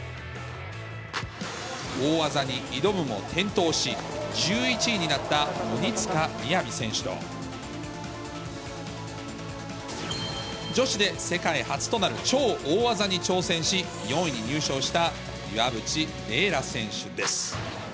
大技に挑むも転倒し、１１位になった鬼塚雅選手と、女子で世界初となる超大技に挑戦し、４位に入賞した岩渕麗楽選手です。